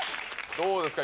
どうですか？